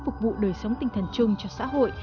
phục vụ đời sống tinh thần chung cho xã hội